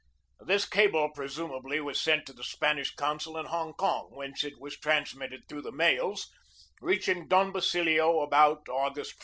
This cable presumably was sent to the Span ish consul in Hong Kong, whence it was transmit ted through the mails, reaching Don Basilio about August i.